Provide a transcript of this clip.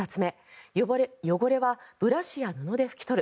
２つ目汚れを歯ブラシや布で拭き取る。